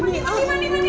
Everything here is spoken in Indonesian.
mandi mandi mandi